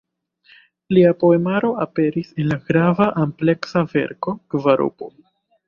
Lia poemaro aperis en la grava ampleksa verko "Kvaropo".